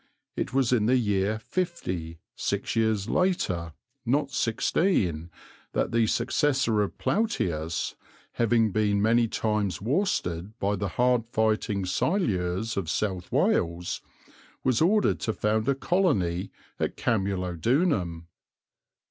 It was in the year 50, six years later, not sixteen, that the successor of Plautius, having been many times worsted by the hard fighting Silures of South Wales, was ordered to found a colony at Camulodunum.